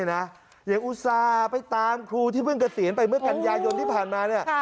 อย่างอุตส่าห์ไปตามครูที่เพิ่งเกษียณไปเมื่อกันยายนที่ผ่านมาเนี่ย